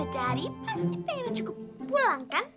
aku tau mama sama papa pasti pengen ajak aku pulang kan